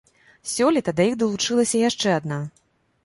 Сёлета да іх далучылася яшчэ адна.